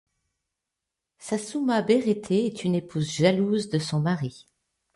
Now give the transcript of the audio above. Sassouma Bérété est une épouse jalouse de son mari.